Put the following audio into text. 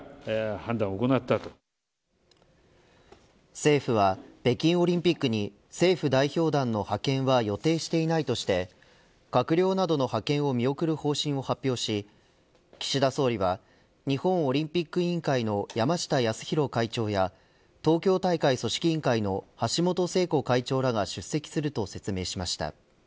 政府は北京オリンピックに政府代表団の派遣は予定していないとして閣僚などの派遣を見送る方針を発表し岸田総理は日本オリンピック委員会の山下泰裕会長や東京大会組織委員会の橋本聖子会長らが出席すると説明しました。